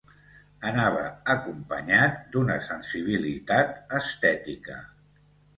Anava acompanyat d'una sensibilitat estètica.